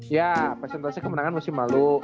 ya presentasi kemenangan musim malu